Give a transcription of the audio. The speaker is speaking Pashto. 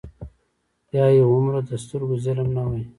یا یې هومره د سترګو ظلم نه وای.